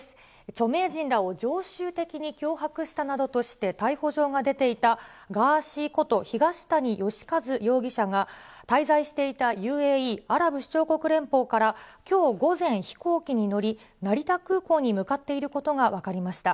著名人らを常習的に脅迫したなどとして逮捕状が出ていた、ガーシーこと、東谷義和容疑者が、滞在していたＵＡＥ・アラブ首長国連邦から、きょう午前、飛行機に乗り、成田空港に向かっていることが分かりました。